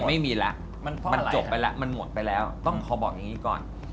ไม่มีแล้วมันจบไปแล้วมันหมดไปแล้วต้องขอบอกอย่างนี้ก่อน